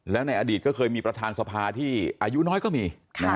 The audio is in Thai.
แล้วในอดีตก็เคยมีประธานสภาที่อายุน้อยก็มี